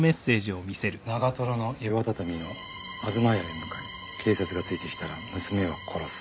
「長の岩畳の東屋へ向かえ」「警察がついてきたら娘は殺す」